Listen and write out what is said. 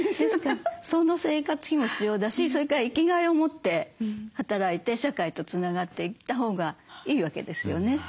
その生活費も必要だしそれから生きがいを持って働いて社会とつながっていったほうがいいわけですよね。